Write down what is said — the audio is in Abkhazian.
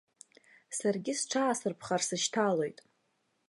Саргьы сҽаасырԥхар, сышьҭалоит.